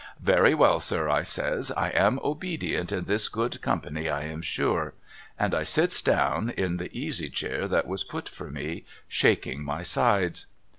'Very well sir' I says ' I am obedient in this good company I am sure.' And I sits down in the easy chair that was put for me, shaking my sides.